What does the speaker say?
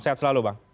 sehat selalu bang